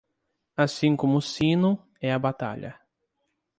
Assim como o sino, é a batalha.